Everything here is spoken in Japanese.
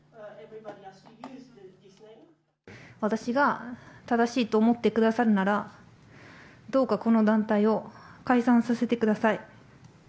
私が正しいと思ってくださるなら、どうかこの団体を解散させてください。